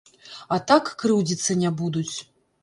А так крыўдзіцца не будуць.